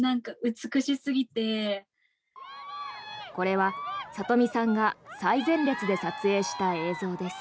これは、さとみさんが最前列で撮影した映像です。